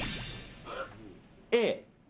Ａ。